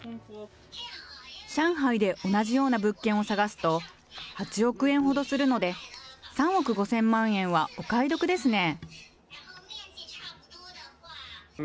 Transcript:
上海で同じような物件を探すと、８億円ほどするので、３億５０００万円はお買い得ですね。